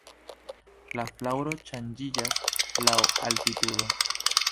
La flaŭro ŝanĝiĝas laŭ altitudo.